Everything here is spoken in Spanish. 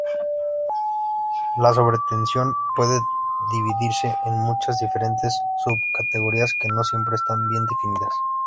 La sobretensión puede dividirse en muchas diferentes subcategorías que no siempre están bien definidas.